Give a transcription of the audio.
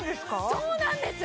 そうなんです！